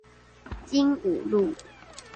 經武路